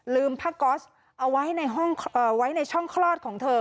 ผ้าก๊อสเอาไว้ในช่องคลอดของเธอ